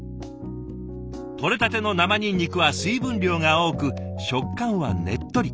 取れたての生ニンニクは水分量が多く食感はねっとり。